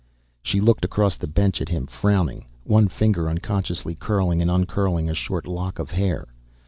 She looked across the bench at him, frowning. One finger unconsciously curling and uncurling a short lock of hair.